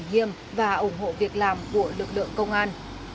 nghiêm và ủng hộ việc làm của lực lượng công an